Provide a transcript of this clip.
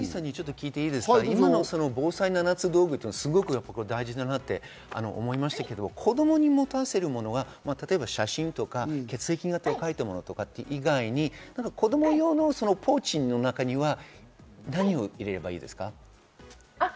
今の防災７つ道具、すごく大事だなと思いましたけれども、子供に持たせるものは例えば写真とか血液型を書いたものとか以外に子供用のポーチの中には何を入れればいいですか？